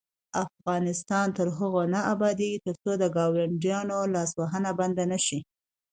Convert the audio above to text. افغانستان تر هغو نه ابادیږي، ترڅو د ګاونډیانو لاسوهنه بنده نشي.